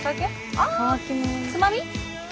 あつまみ？